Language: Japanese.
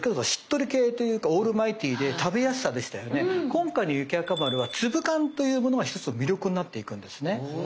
今回の雪若丸は粒感というものが一つの魅力になっていくんですね。